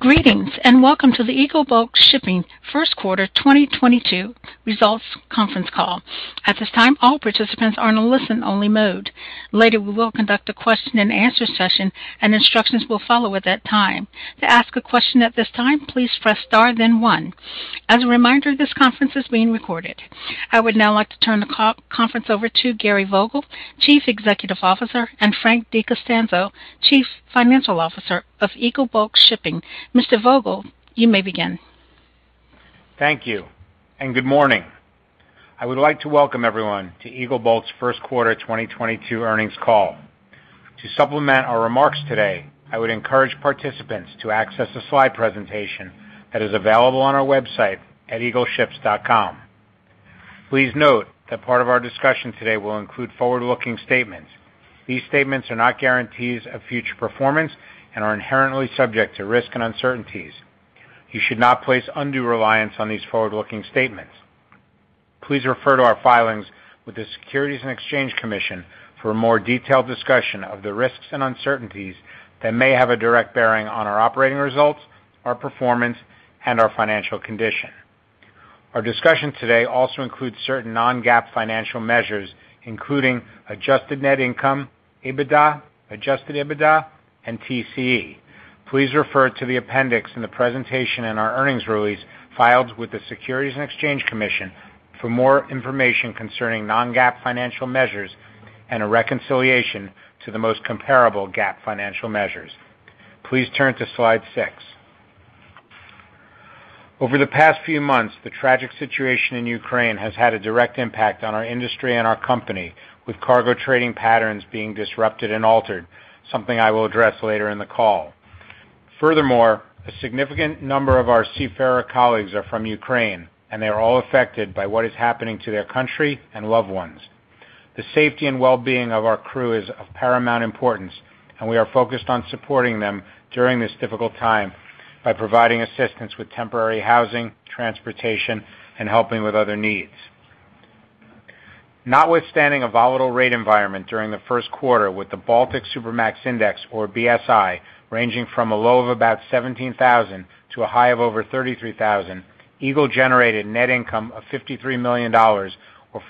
Greetings, and welcome to the Eagle Bulk Shipping first quarter 2022 results conference call. At this time, all participants are in a listen-only mode. Later, we will conduct a Q&A session, and instructions will follow at that time. To ask a question at this time, please press star then one. As a reminder, this conference is being recorded. I would now like to turn the conference over to Gary Vogel, Chief Executive Officer, and Frank De Costanzo, Chief Financial Officer of Eagle Bulk Shipping. Mr. Vogel, you may begin. Thank you, and good morning. I would like to welcome everyone to Eagle Bulk's first quarter 2022 earnings call. To supplement our remarks today, I would encourage participants to access the slide presentation that is available on our website at eagleships.com. Please note that part of our discussion today will include forward-looking statements. These statements are not guarantees of future performance and are inherently subject to risks and uncertainties. You should not place undue reliance on these forward-looking statements. Please refer to our filings with the Securities and Exchange Commission for a more detailed discussion of the risks and uncertainties that may have a direct bearing on our operating results, our performance, and our financial condition. Our discussion today also includes certain non-GAAP financial measures, including adjusted net income, EBITDA, adjusted EBITDA, and TCE. Please refer to the appendix in the presentation and our earnings release filed with the Securities and Exchange Commission for more information concerning non-GAAP financial measures and a reconciliation to the most comparable GAAP financial measures. Please turn to slide six. Over the past few months, the tragic situation in Ukraine has had a direct impact on our industry and our company, with cargo trading patterns being disrupted and altered, something I will address later in the call. Furthermore, a significant number of our seafarer colleagues are from Ukraine, and they are all affected by what is happening to their country and loved ones. The safety and well-being of our crew is of paramount importance, and we are focused on supporting them during this difficult time by providing assistance with temporary housing, transportation, and helping with other needs. Notwithstanding a volatile rate environment during the first quarter with the Baltic Supramax Index, or BSI, ranging from a low of about 17,000 to a high of over 33,000, Eagle generated net income of $53 million or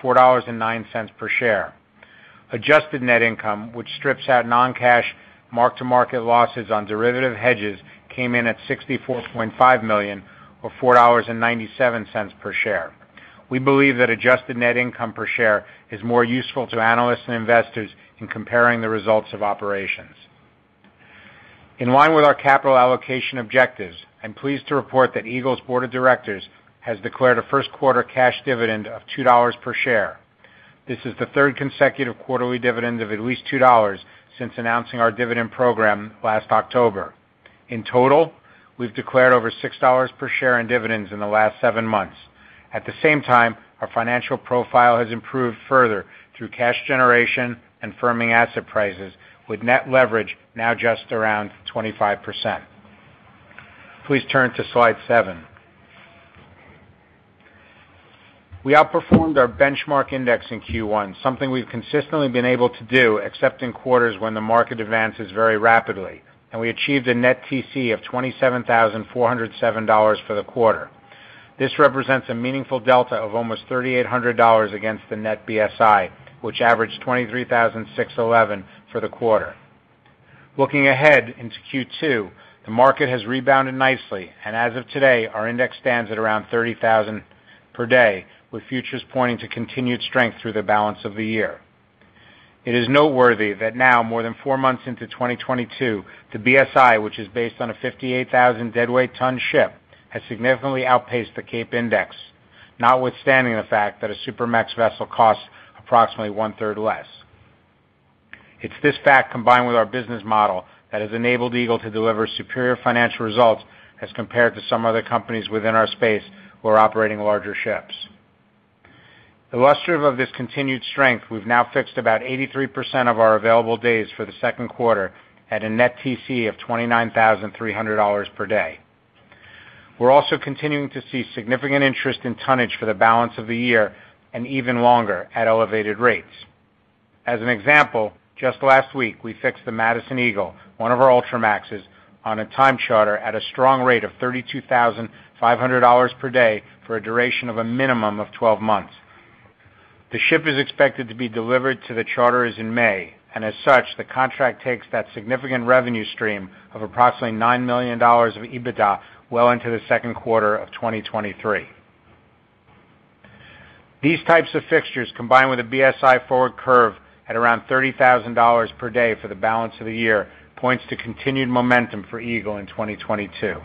$4.09 per share. Adjusted net income, which strips out non-cash mark-to-market losses on derivative hedges, came in at $64.5 million or $4.97 per share. We believe that adjusted net income per share is more useful to analysts and investors in comparing the results of operations. In line with our capital allocation objectives, I'm pleased to report that Eagle's board of directors has declared a first quarter cash dividend of $2 per share. This is the third consecutive quarterly dividend of at least $2 since announcing our dividend program last October. In total, we've declared over $6 per share in dividends in the last seven months. At the same time, our financial profile has improved further through cash generation and firming asset prices, with net leverage now just around 25%. Please turn to slide seven. We outperformed our benchmark index in Q1, something we've consistently been able to do except in quarters when the market advances very rapidly, and we achieved a net TCE of $27,407 for the quarter. This represents a meaningful delta of almost $3,800 against the net BSI, which averaged $23,611 for the quarter. Looking ahead into Q2, the market has rebounded nicely, and as of today, our index stands at around $30,000 per day, with futures pointing to continued strength through the balance of the year. It is noteworthy that now, more than four months into 2022, the BSI, which is based on a 58,000 deadweight ton ship, has significantly outpaced the CAPE Index, notwithstanding the fact that a Supramax vessel costs approximately one-third less. It's this fact, combined with our business model, that has enabled Eagle to deliver superior financial results as compared to some other companies within our space who are operating larger ships. Illustrative of this continued strength, we've now fixed about 83% of our available days for the second quarter at a net TC of $29,300 per day. We're also continuing to see significant interest in tonnage for the balance of the year and even longer at elevated rates. As an example, just last week, we fixed the Madison Eagle, one of our Ultramaxes, on a time charter at a strong rate of $32,500 per day for a duration of a minimum of 12 months. The ship is expected to be delivered to the charterers in May, and as such, the contract takes that significant revenue stream of approximately $9 million of EBITDA well into the second quarter of 2023. These types of fixtures, combined with a BSI forward curve at around $30,000 per day for the balance of the year, points to continued momentum for Eagle in 2022.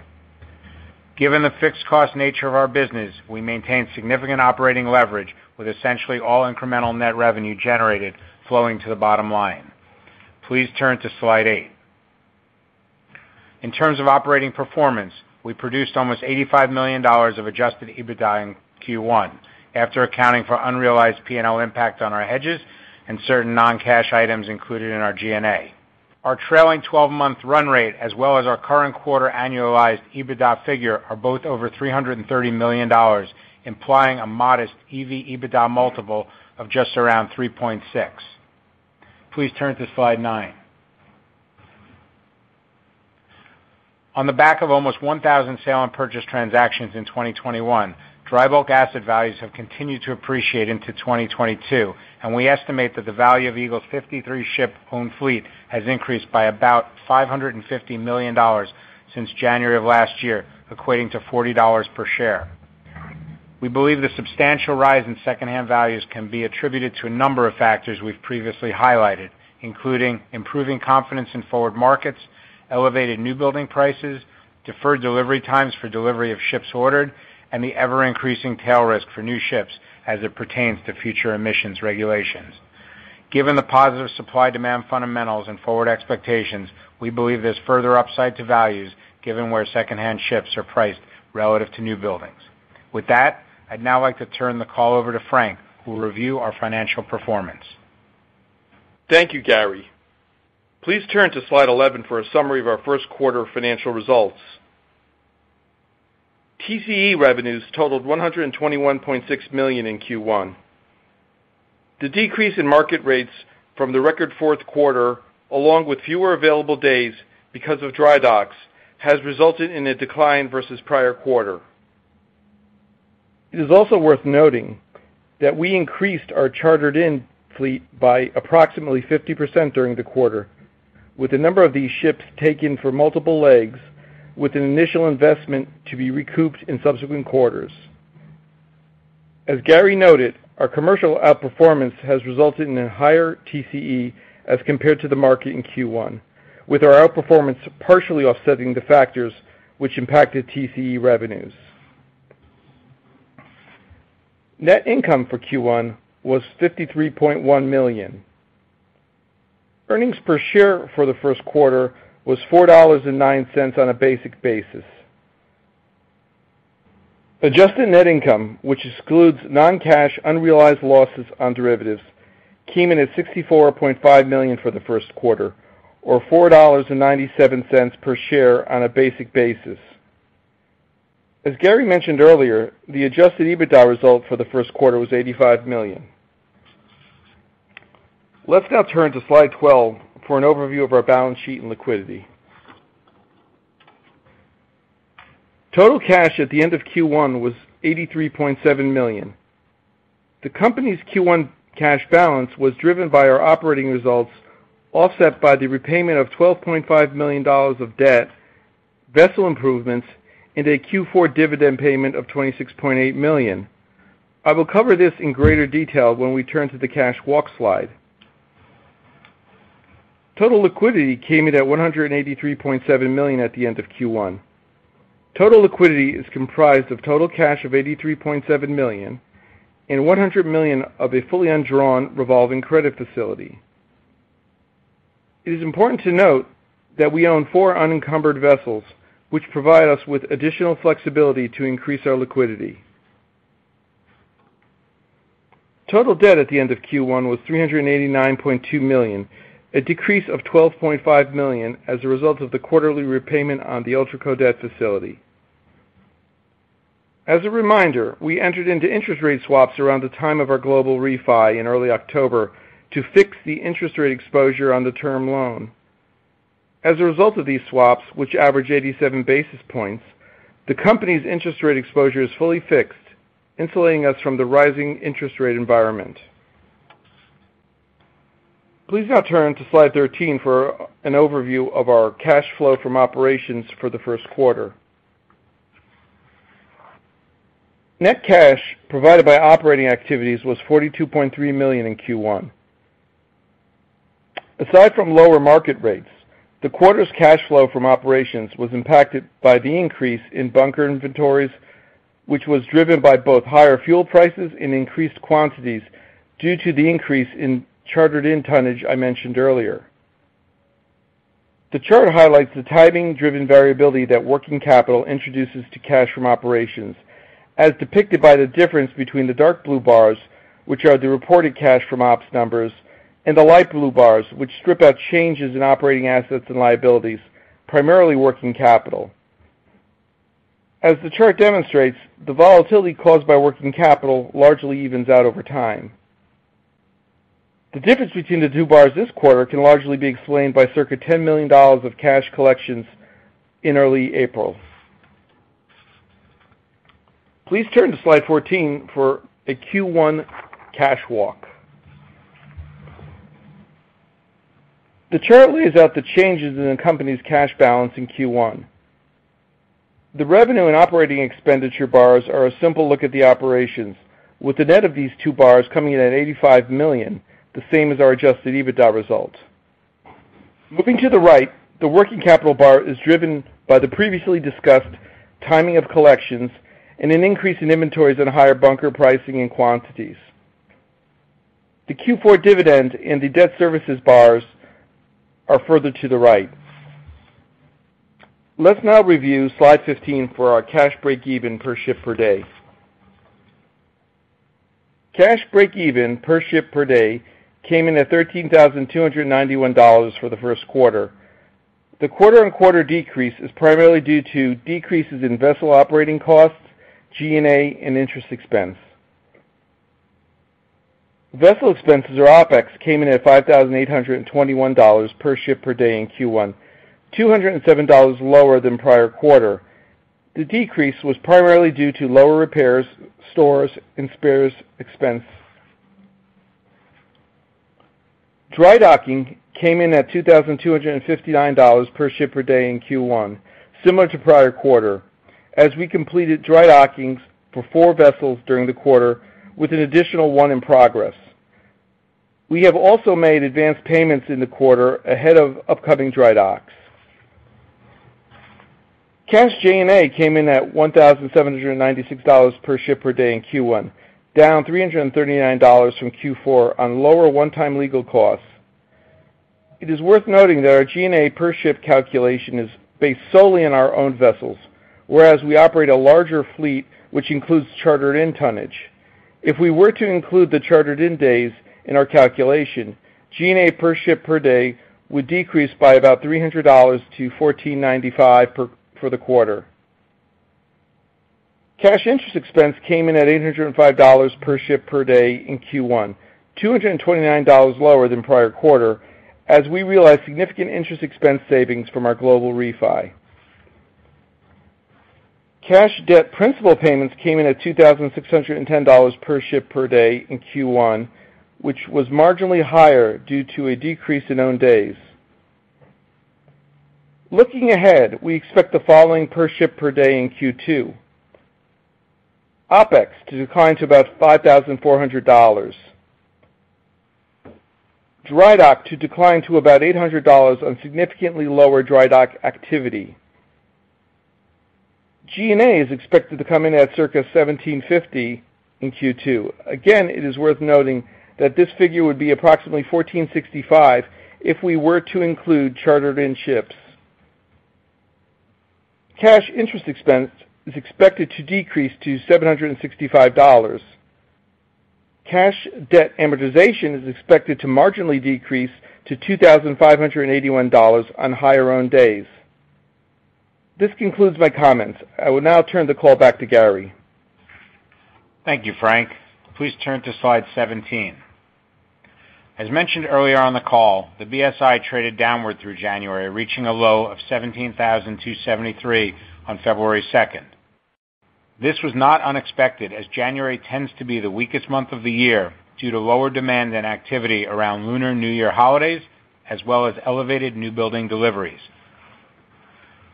Given the fixed cost nature of our business, we maintain significant operating leverage with essentially all incremental net revenue generated flowing to the bottom line. Please turn to slide eight. In terms of operating performance, we produced almost $85 million of adjusted EBITDA in Q1 after accounting for unrealized P&L impact on our hedges and certain non-cash items included in our G&A. Our trailing 12 month run rate, as well as our current-quarter annualized EBITDA figure, are both over $330 million, implying a modest EV/EBITDA multiple of just around 3.6. Please turn to slide nine. On the back of almost 1,000 sale and purchase transactions in 2021, dry bulk asset values have continued to appreciate into 2022, and we estimate that the value of Eagle's 53-ship owned fleet has increased by about $550 million since January of last year, equating to $40 per share. We believe the substantial rise in secondhand values can be attributed to a number of factors we've previously highlighted, including improving confidence in forward markets, elevated new building prices, deferred delivery times for delivery of ships ordered, and the ever-increasing tail risk for new ships as it pertains to future emissions regulations. Given the positive supply demand fundamentals and forward expectations, we believe there's further upside to values given where secondhand ships are priced relative to new buildings. With that, I'd now like to turn the call over to Frank, who will review our financial performance. Thank you, Gary. Please turn to slide 11 for a summary of our first quarter financial results. TCE revenues totaled $121.6 million in Q1. The decrease in market rates from the record fourth quarter, along with fewer available days because of dry docks, has resulted in a decline versus prior quarter. It is also worth noting that we increased our chartered in fleet by approximately 50% during the quarter, with a number of these ships taken for multiple legs with an initial investment to be recouped in subsequent quarters. As Gary noted, our commercial outperformance has resulted in a higher TCE as compared to the market in Q1, with our outperformance partially offsetting the factors which impacted TCE revenues. Net income for Q1 was $53.1 million. Earnings per share for the first quarter was $4.09 on a basic basis. Adjusted net income, which excludes non-cash unrealized losses on derivatives, came in at $64.5 million for the first quarter, or $4.97 per share on a basic basis. As Gary mentioned earlier, the adjusted EBITDA result for the first quarter was $85 million. Let's now turn to slide 12 for an overview of our balance sheet and liquidity. Total cash at the end of Q1 was $83.7 million. The company's Q1 cash balance was driven by our operating results, offset by the repayment of $12.5 million of debt, vessel improvements, and a Q4 dividend payment of $26.8 million. I will cover this in greater detail when we turn to the cash walk slide. Total liquidity came in at $183.7 million at the end of Q1. Total liquidity is comprised of total cash of $83.7 million and $100 million of a fully undrawn revolving credit facility. It is important to note that we own four unencumbered vessels, which provide us with additional flexibility to increase our liquidity. Total debt at the end of Q1 was $389.2 million, a decrease of $12.5 million as a result of the quarterly repayment on the Ultraco Debt Facility. As a reminder, we entered into interest rate swaps around the time of our global refi in early October to fix the interest rate exposure on the term loan. As a result of these swaps, which average 87 basis points, the company's interest rate exposure is fully fixed, insulating us from the rising interest rate environment. Please now turn to slide 13 for an overview of our cash flow from operations for the first quarter. Net cash provided by operating activities was $42.3 million in Q1. Aside from lower market rates, the quarter's cash flow from operations was impacted by the increase in bunker inventories, which was driven by both higher fuel prices and increased quantities due to the increase in chartered-in tonnage I mentioned earlier. The chart highlights the timing-driven variability that working capital introduces to cash from operations, as depicted by the difference between the dark blue bars, which are the reported cash from ops numbers, and the light blue bars, which strip out changes in operating assets and liabilities, primarily working capital. As the chart demonstrates, the volatility caused by working capital largely evens out over time. The difference between the two bars this quarter can largely be explained by circa $10 million of cash collections in early April. Please turn to slide 14 for a Q1 cash walk. The chart lays out the changes in the company's cash balance in Q1. The revenue and operating expenditure bars are a simple look at the operations, with the net of these two bars coming in at $85 million, the same as our adjusted EBITDA results. Moving to the right, the working capital bar is driven by the previously discussed timing of collections and an increase in inventories and higher bunker pricing and quantities. The Q4 dividend and the debt services bars are further to the right. Let's now review slide 15 for our cash breakeven per ship per day. Cash breakeven per ship per day came in at $13,291 for the first quarter. The quarter-on-quarter decrease is primarily due to decreases in vessel operating costs, G&A, and interest expense. Vessel expenses or OpEx came in at $5,821 per ship per day in Q1, $207 lower than prior quarter. The decrease was primarily due to lower repairs, stores, and spares expense. Dry docking came in at $2,259 per ship per day in Q1, similar to prior quarter, as we completed dry dockings for four vessels during the quarter with an additional one in progress. We have also made advanced payments in the quarter ahead of upcoming dry docks. Cash G&A came in at $1,796 per ship per day in Q1, down $339 from Q4 on lower one-time legal costs. It is worth noting that our G&A per ship calculation is based solely on our own vessels, whereas we operate a larger fleet, which includes chartered-in tonnage. If we were to include the chartered in days in our calculation, G&A per ship per day would decrease by about $300 to $1,495 for the quarter. Cash interest expense came in at $805 per ship per day in Q1, $229 lower than prior quarter as we realized significant interest expense savings from our global refi. Cash debt principal payments came in at $2,610 per ship per day in Q1, which was marginally higher due to a decrease in owned days. Looking ahead, we expect the following per ship per day in Q2. OpEx to decline to about $5,400. Dry dock to decline to about $800 on significantly lower dry dock activity. G&A is expected to come in at circa $1,750 in Q2. Again, it is worth noting that this figure would be approximately $1,465 if we were to include chartered-in ships. Cash interest expense is expected to decrease to $765. Cash debt amortization is expected to marginally decrease to $2,581 on higher owned days. This concludes my comments. I will now turn the call back to Gary. Thank you, Frank. Please turn to slide 17. As mentioned earlier on the call, the BSI traded downward through January, reaching a low of 17,273 on February second. This was not unexpected as January tends to be the weakest month of the year due to lower demand and activity around Lunar New Year holidays, as well as elevated new building deliveries.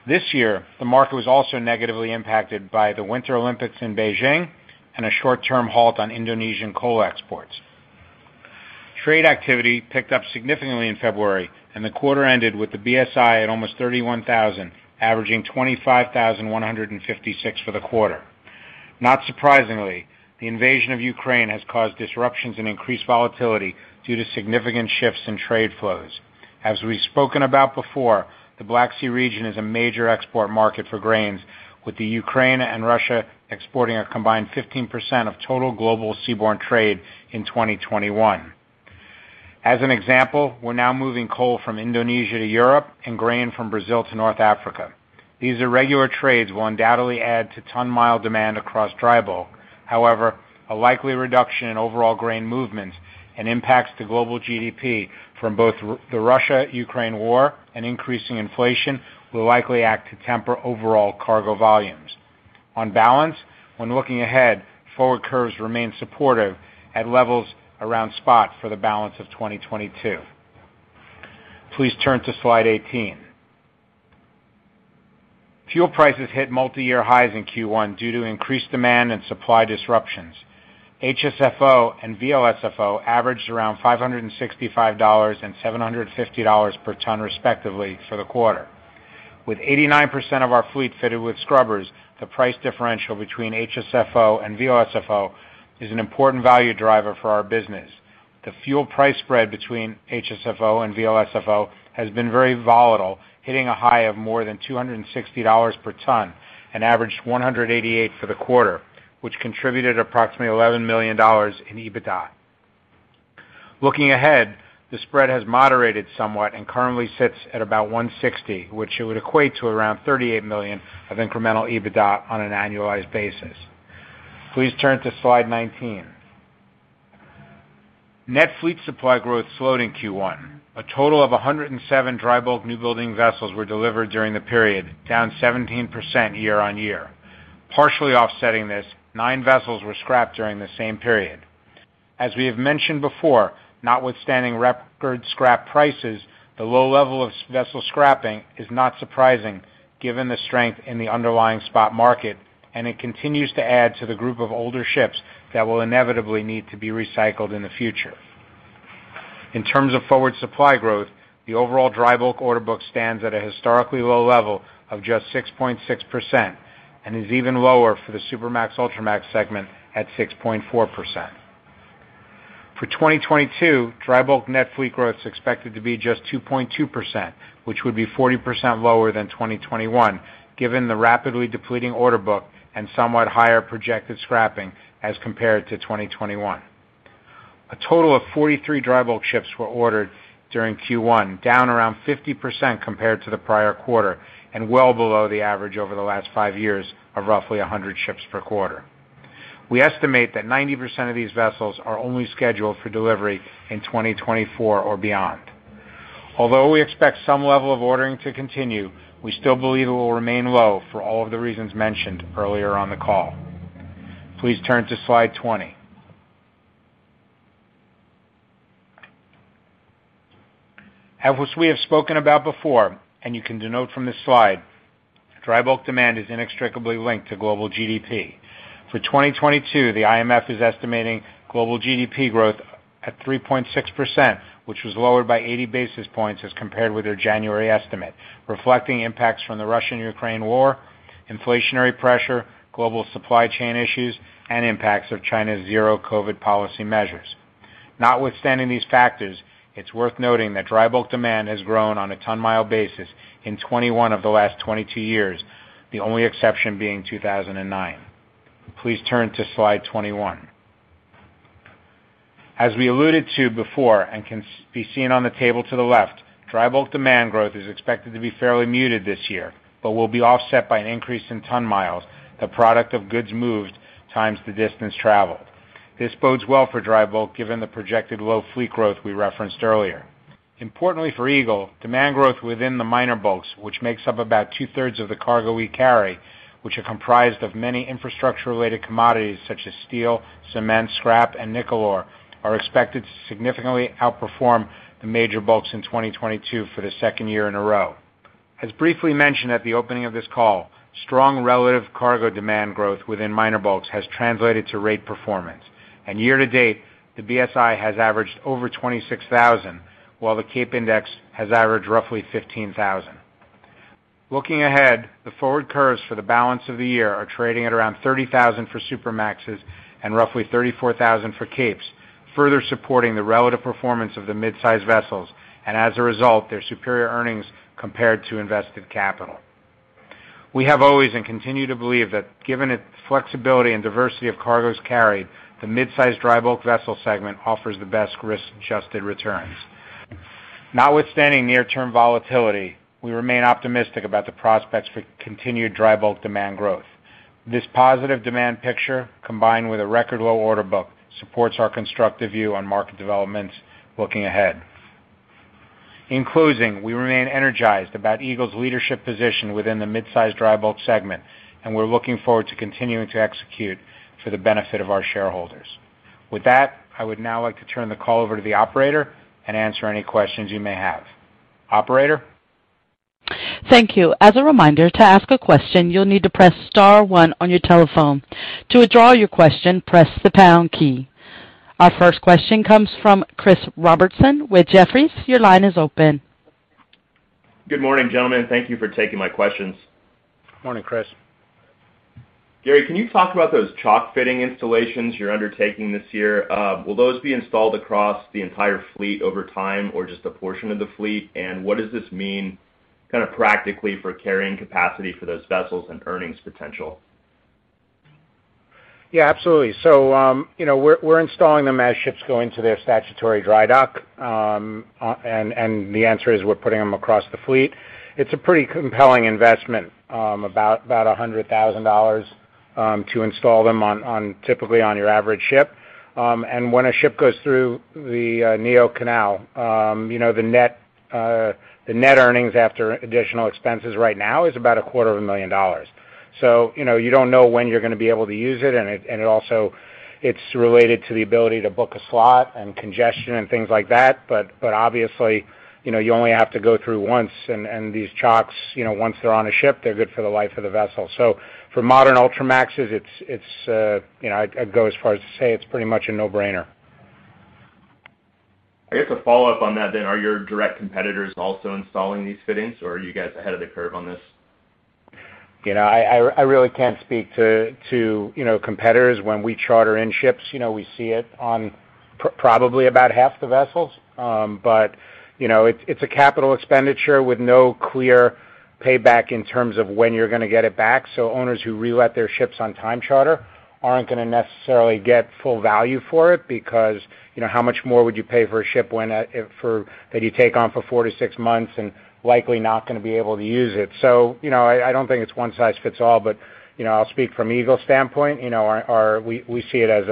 This year, the market was also negatively impacted by the Winter Olympics in Beijing and a short-term halt on Indonesian coal exports. Trade activity picked up significantly in February, and the quarter ended with the BSI at almost 31,000, averaging 25,156 for the quarter. Not surprisingly, the invasion of Ukraine has caused disruptions and increased volatility due to significant shifts in trade flows. As we've spoken about before, the Black Sea region is a major export market for grains, with the Ukraine and Russia exporting a combined 15% of total global seaborne trade in 2021. As an example, we're now moving coal from Indonesia to Europe and grain from Brazil to North Africa. These irregular trades will undoubtedly add to ton-mile demand across dry bulk. However, a likely reduction in overall grain movements and impacts to global GDP from both the Russia-Ukraine war and increasing inflation will likely act to temper overall cargo volumes. On balance, when looking ahead, forward curves remain supportive at levels around spot for the balance of 2022. Please turn to slide 18. Fuel prices hit multiyear highs in Q1 due to increased demand and supply disruptions. HSFO and VLSFO averaged around $565 and $750 per ton, respectively, for the quarter. With 89% of our fleet fitted with scrubbers, the price differential between HSFO and VLSFO is an important value driver for our business. The fuel price spread between HSFO and VLSFO has been very volatile, hitting a high of more than $260 per ton and averaged $188 for the quarter, which contributed approximately $11 million in EBITDA. Looking ahead, the spread has moderated somewhat and currently sits at about $160, which it would equate to around $38 million of incremental EBITDA on an annualized basis. Please turn to slide 19. Net fleet supply growth slowed in Q1. A total of 107 dry bulk new building vessels were delivered during the period, down 17% year-on-year. Partially offsetting this, nine vessels were scrapped during the same period. As we have mentioned before, notwithstanding record scrap prices, the low level of vessel scrapping is not surprising given the strength in the underlying spot market, and it continues to add to the group of older ships that will inevitably need to be recycled in the future. In terms of forward supply growth, the overall dry bulk order book stands at a historically low level of just 6.6% and is even lower for the Supramax, Ultramax segment at 6.4%. For 2022, dry bulk net fleet growth is expected to be just 2.2%, which would be 40% lower than 2021, given the rapidly depleting order book and somewhat higher projected scrapping as compared to 2021. A total of 43 dry bulk ships were ordered during Q1, down around 50% compared to the prior quarter, and well below the average over the last five years of roughly 100 ships per quarter. We estimate that 90% of these vessels are only scheduled for delivery in 2024 or beyond. Although we expect some level of ordering to continue, we still believe it will remain low for all of the reasons mentioned earlier on the call. Please turn to slide 20. As we have spoken about before, and you can note from this slide, dry bulk demand is inextricably linked to global GDP. For 2022, the IMF is estimating global GDP growth at 3.6%, which was lowered by 80 basis points as compared with their January estimate, reflecting impacts from the Russian-Ukraine war, inflationary pressure, global supply chain issues, and impacts of China's zero COVID policy measures. Notwithstanding these factors, it's worth noting that dry bulk demand has grown on a ton-mile basis in 21 of the last 22 years, the only exception being 2009. Please turn to slide 21. As we alluded to before, and can be seen on the table to the left, dry bulk demand growth is expected to be fairly muted this year, but will be offset by an increase in ton-miles, the product of goods moved times the distance traveled. This bodes well for dry bulk, given the projected low fleet growth we referenced earlier. Importantly for Eagle, demand growth within the minor bulks, which makes up about two-thirds of the cargo we carry, which are comprised of many infrastructure-related commodities such as steel, cement, scrap, and nickel ore, are expected to significantly outperform the major bulks in 2022 for the second year in a row. As briefly mentioned at the opening of this call, strong relative cargo demand growth within minor bulks has translated to rate performance. Year-to-date, the BSI has averaged over 26,000, while the CAPE Index has averaged roughly 15,000. Looking ahead, the forward curves for the balance of the year are trading at around 30,000 for Supramaxes and roughly 34,000 for CAPES, further supporting the relative performance of the mid-sized vessels, and as a result, their superior earnings compared to invested capital. We have always and continue to believe that given its flexibility and diversity of cargoes carried, the mid-sized dry bulk vessel segment offers the best risk-adjusted returns. Notwithstanding near-term volatility, we remain optimistic about the prospects for continued dry bulk demand growth. This positive demand picture, combined with a record low order book, supports our constructive view on market developments looking ahead. In closing, we remain energized about Eagle's leadership position within the mid-sized dry bulk segment, and we're looking forward to continuing to execute for the benefit of our shareholders. With that, I would now like to turn the call over to the operator and answer any questions you may have. Operator? Thank you. As a reminder, to ask a question, you'll need to press star one on your telephone. To withdraw your question, press the pound key. Our first question comes from Chris Robertson with Jefferies. Your line is open. Good morning, gentlemen. Thank you for taking my questions. Morning, Chris. Gary, can you talk about those chock fittings installations you're undertaking this year? Will those be installed across the entire fleet over time or just a portion of the fleet? What does this mean kinda practically for carrying capacity for those vessels and earnings potential? Yeah, absolutely. You know, we're installing them as ships go into their statutory dry dock, and the answer is we're putting them across the fleet. It's a pretty compelling investment, about $100,000 to install them on typically on your average ship. When a ship goes through the Neo-Panamax Canal, you know, the net earnings after additional expenses right now is about a quarter of a million dollars. You know, you don't know when you're gonna be able to use it. It also is related to the ability to book a slot and congestion and things like that. Obviously, you know, you only have to go through once. These chocks, you know, once they're on a ship, they're good for the life of the vessel. For modern Ultramaxes, it's you know, I'd go as far as to say it's pretty much a no-brainer. I guess a follow-up on that then. Are your direct competitors also installing these fittings, or are you guys ahead of the curve on this? You know, I really can't speak to, you know, competitors. When we charter in ships, you know, we see it on probably about half the vessels. You know, it's a capital expenditure with no clear payback in terms of when you're gonna get it back. Owners who relet their ships on time charter aren't gonna necessarily get full value for it because, you know, how much more would you pay for a ship when that you take on for four to six months and likely not gonna be able to use it. You know, I don't think it's one size fits all, but, you know, I'll speak from Eagle's standpoint, you know, we see it as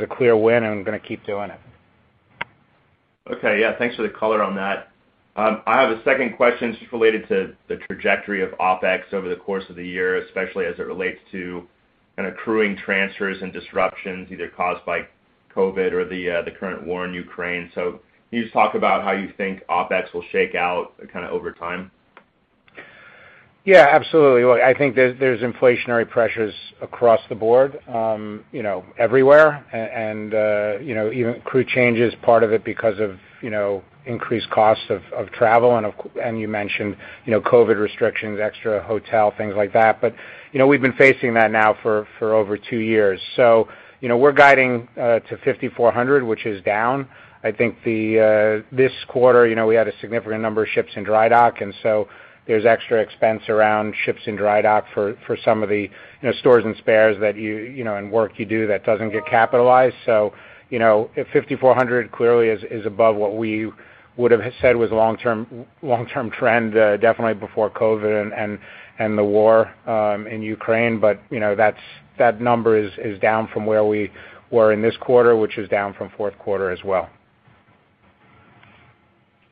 a clear win and gonna keep doing it. Okay. Yeah, thanks for the color on that. I have a second question just related to the trajectory of OpEx over the course of the year, especially as it relates to kind of crew transfers and disruptions either caused by COVID or the current war in Ukraine. Can you just talk about how you think OpEx will shake out kind of over time? Yeah, absolutely. Look, I think there's inflationary pressures across the board, you know, everywhere. You know, even crew change is part of it because of you know increased costs of travel and you mentioned you know COVID restrictions, extra hotel things like that. You know, we've been facing that now for over two years. You know, we're guiding to $5,400, which is down. I think this quarter, you know, we had a significant number of ships in dry dock, and there's extra expense around ships in dry dock for some of the you know stores and spares that you know and work you do that doesn't get capitalized. You know, if $5,400 clearly is above what we would have said was long-term trend, definitely before COVID and the war in Ukraine. You know, that number is down from where we were in this quarter, which is down from fourth quarter as well.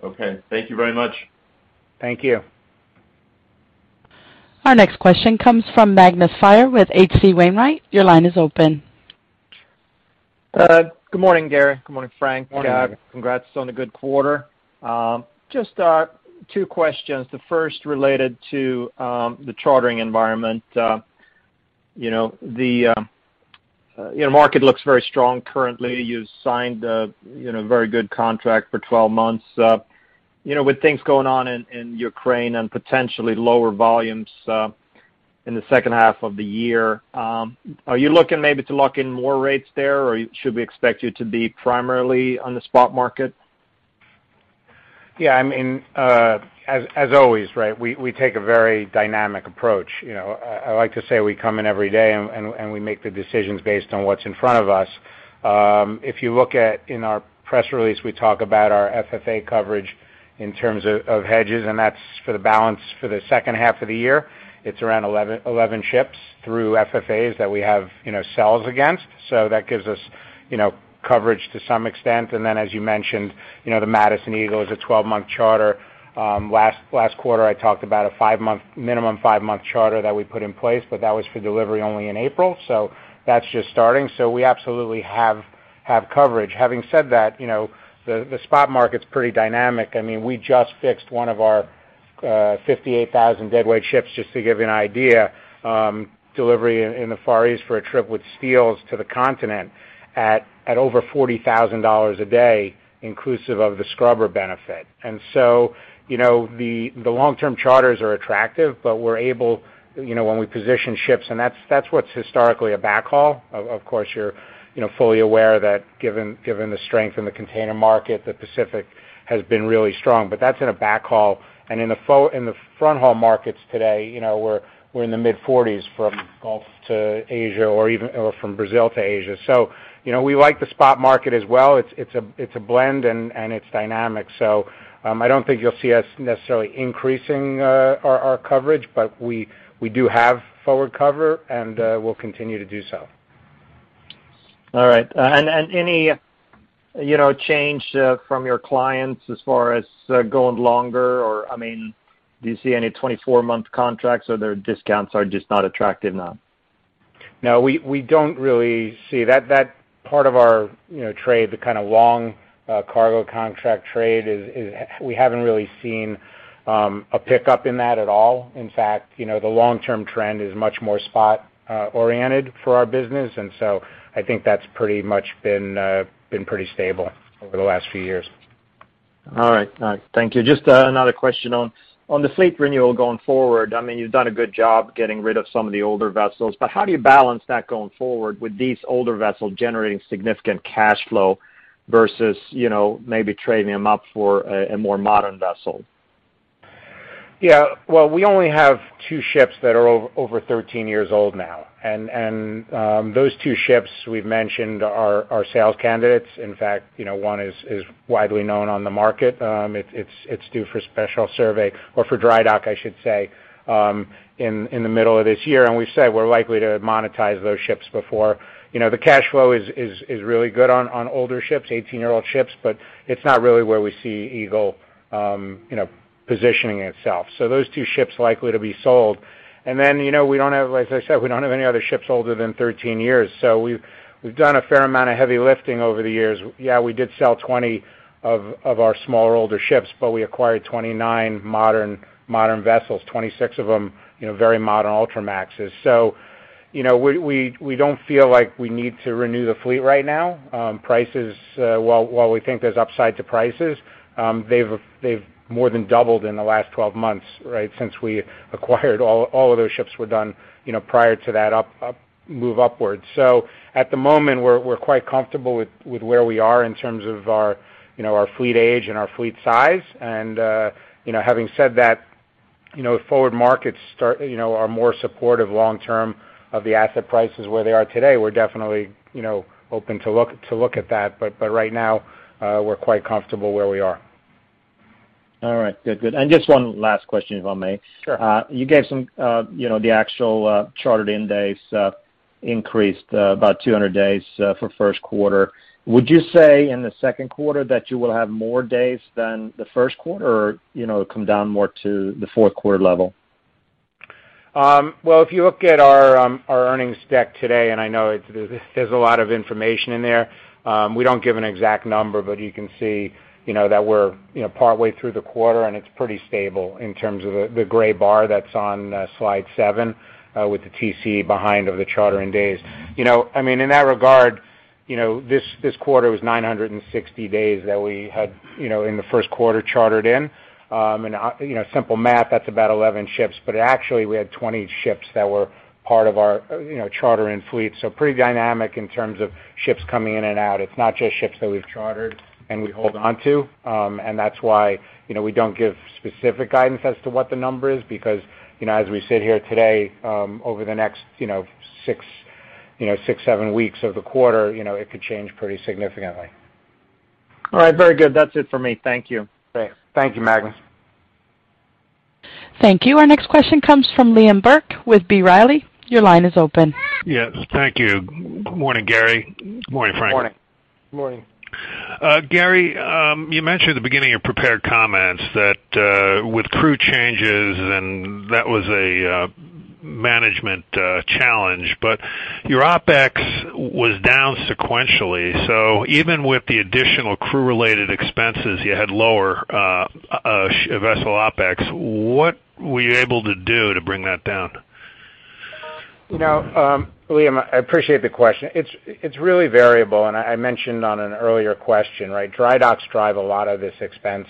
Okay. Thank you very much. Thank you. Our next question comes from Magnus Fyhr with H.C. Wainwright. Your line is open. Good morning, Gary. Good morning, Frank. Morning. Congrats on a good quarter. Just two questions. The first related to the chartering environment. You know, the market looks very strong currently. You signed a very good contract for 12 months. You know, with things going on in Ukraine and potentially lower volumes in the second half of the year, are you looking maybe to lock in more rates there or should we expect you to be primarily on the spot market? Yeah, I mean, as always, right, we take a very dynamic approach. You know, I like to say we come in every day and we make the decisions based on what's in front of us. If you look at our press release, we talk about our FFA coverage in terms of hedges, and that's for the balance of the second half of the year. It's around 11 ships through FFAs that we have, you know, sells against. That gives us, you know, coverage to some extent. Then as you mentioned, you know, the Madison Eagle is a 12-month charter. Last quarter, I talked about a five-month, minimum five-month charter that we put in place, but that was for delivery only in April, so that's just starting. We absolutely have coverage. Having said that, you know, the spot market's pretty dynamic. I mean, we just fixed one of our 58,000 deadweight ships, just to give you an idea, delivery in the Far East for a trip with steels to the continent at over $40,000 a day inclusive of the scrubber benefit. The long-term charters are attractive, but we're able, you know, when we position ships, and that's what's historically a backhaul. Of course, you're, you know, fully aware that given the strength in the container market, the Pacific has been really strong. That's in a backhaul. In the front haul markets today, you know, we're in the mid-40s from Gulf to Asia or even or from Brazil to Asia. You know, we like the spot market as well. It's a blend and it's dynamic. I don't think you'll see us necessarily increasing our coverage, but we do have forward cover, and we'll continue to do so. All right. Any, you know, change from your clients as far as going longer or, I mean, do you see any 24-month contracts or their discounts are just not attractive now? No. We don't really see that part of our, you know, trade, the kind of long cargo contract trade. We haven't really seen a pickup in that at all. In fact, you know, the long-term trend is much more spot oriented for our business and so I think that's pretty much been pretty stable over the last few years. All right. Thank you. Just another question on the fleet renewal going forward. I mean, you've done a good job getting rid of some of the older vessels, but how do you balance that going forward with these older vessels generating significant cash flow versus, you know, maybe trading them up for a more modern vessel? Yeah. Well, we only have two ships that are over 13 years old now. Those two ships we've mentioned are sales candidates. In fact, you know, one is widely known on the market. It's due for a special survey or for dry dock, I should say, in the middle of this year. We've said we're likely to monetize those ships before. You know, the cash flow is really good on older ships, 18-year-old ships, but it's not really where we see Eagle, you know, positioning itself. Those two ships likely to be sold. Then, you know, we don't have, like I said, we don't have any other ships older than 13 years, so we've done a fair amount of heavy lifting over the years. Yeah, we did sell 20 of our smaller, older ships, but we acquired 29 modern vessels, 26 of them, you know, very modern Ultramaxes. We don't feel like we need to renew the fleet right now. Prices, while we think there's upside to prices, they've more than doubled in the last 12 months, right? Since we acquired all of those ships were done, you know, prior to that up move upwards. At the moment, we're quite comfortable with where we are in terms of our, you know, our fleet age and our fleet size. Having said that, you know, if forward markets start, you know, are more supportive long term of the asset prices where they are today, we're definitely, you know, open to look at that. Right now, we're quite comfortable where we are. All right. Good. Just one last question, if I may. Sure. You gave some, you know, the actual chartered in days increased about 200 days for first quarter. Would you say in the second quarter that you will have more days than the first quarter or, you know, come down more to the fourth quarter level? Well, if you look at our earnings deck today, and I know there's a lot of information in there, we don't give an exact number, but you can see, you know, that we're, you know, partway through the quarter and it's pretty stable in terms of the gray bar that's on slide seven with the TCE for the charter-in days. You know, I mean, in that regard, you know, this quarter was 960 days that we had, you know, in the first quarter chartered in. Simple math, that's about 11 ships. Actually, we had 20 ships that were part of our, you know, charter-in fleet. Pretty dynamic in terms of ships coming in and out. It's not just ships that we've chartered and we hold on to. That's why, you know, we don't give specific guidance as to what the number is because, you know, as we sit here today, over the next, you know, six, seven weeks of the quarter, you know, it could change pretty significantly. All right. Very good. That's it for me. Thank you. Thanks. Thank you, Magnus. Thank you. Our next question comes from Liam Burke with B. Riley. Your line is open. Yes, thank you. Good morning, Gary. Good morning, Frank. Morning. Morning. Gary, you mentioned at the beginning of prepared comments that with crew changes and that was a management challenge, but your OpEx was down sequentially. Even with the additional crew related expenses, you had lower vessel OpEx. What were you able to do to bring that down? You know, Liam, I appreciate the question. It's really variable, and I mentioned on an earlier question, right? Dry docks drive a lot of this expense.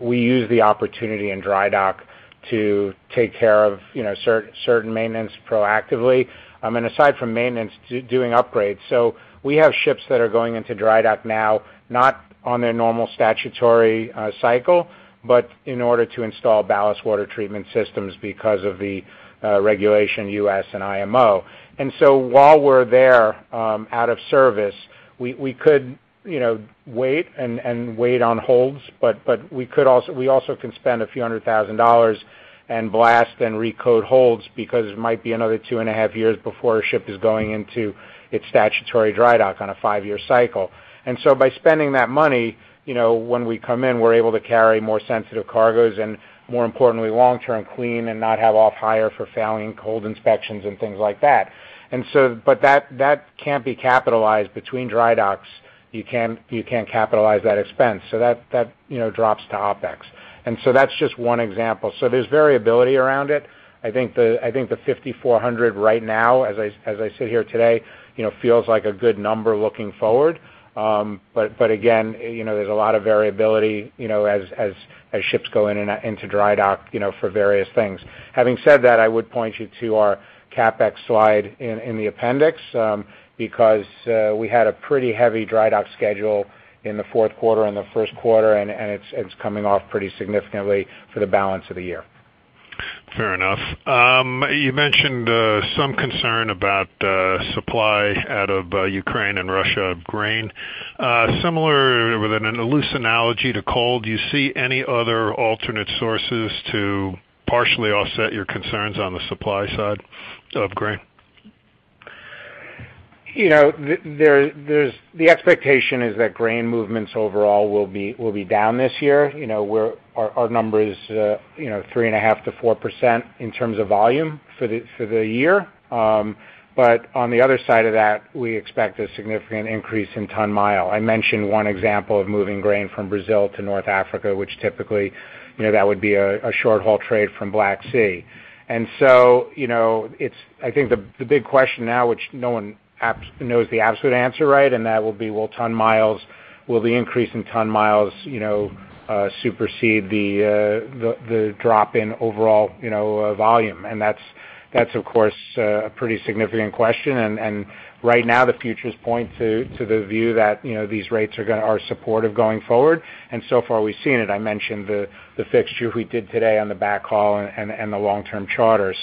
We use the opportunity in dry dock to take care of, you know, certain maintenance proactively, and aside from maintenance, doing upgrades. We have ships that are going into dry dock now, not on their normal statutory cycle, but in order to install ballast water treatment systems because of the regulation U.S. and IMO. While we're there, out of service, we could, you know, wait and wait on holds, but we also can spend a few $100,000 and blast and recoat holds because it might be another 2.5 years before a ship is going into its statutory dry dock on a 5-year cycle. By spending that money, you know, when we come in, we're able to carry more sensitive cargoes and more importantly, long-term clean and not have off hire for failing hold inspections and things like that. But that can't be capitalized between dry docks. You can't capitalize that expense. That, you know, drops to OpEx. That's just one example. There's variability around it. I think the 5,400 right now as I sit here today, you know, feels like a good number looking forward. Again, you know, there's a lot of variability, you know, as ships go into dry dock, you know, for various things. Having said that, I would point you to our CapEx slide in the appendix, because we had a pretty heavy dry dock schedule in the fourth quarter and the first quarter, and it's coming off pretty significantly for the balance of the year. Fair enough. You mentioned some concern about supply out of Ukraine and Russia of grain. Similar with a loose analogy to coal, do you see any other alternate sources to partially offset your concerns on the supply side of grain? You know, there's the expectation that grain movements overall will be down this year. You know, our number is 3.5%-4% in terms of volume for the year. But on the other side of that, we expect a significant increase in ton-mile. I mentioned one example of moving grain from Brazil to North Africa, which typically, you know, that would be a short haul trade from Black Sea. You know, I think the big question now, which no one absolutely knows the absolute answer, right? That will be, will the increase in ton-miles, you know, supersede the drop in overall, you know, volume? That's of course a pretty significant question. Right now the futures point to the view that, you know, these rates are supportive going forward. So far we've seen it. I mentioned the fixture we did today on the backhaul and the long-term charter.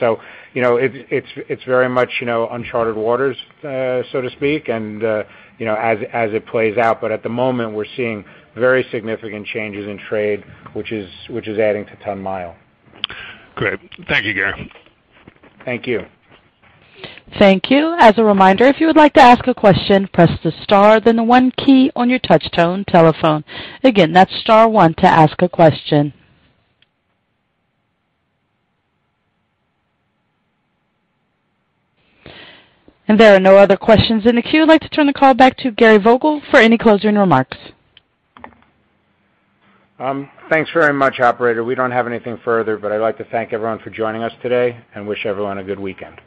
You know, it's very much unchartered waters, so to speak, you know, as it plays out. At the moment, we're seeing very significant changes in trade, which is adding to ton-mile. Great. Thank you, Gary. Thank you. Thank you. As a reminder, if you would like to ask a question, press the star then the one key on your touch tone telephone. Again, that's star one to ask a question. There are no other questions in the queue. I'd like to turn the call back to Gary Vogel for any closing remarks. Thanks very much, operator. We don't have anything further, but I'd like to thank everyone for joining us today and wish everyone a good weekend.